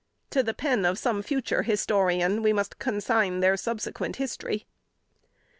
To the pen of some future historian we consign their subsequent history.